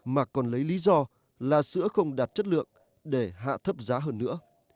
mà còn lấy lý do là sữa không đạt chất lượng để hạ thấp giá hơn nữa